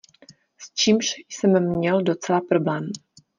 S čímž jsem měl docela problém.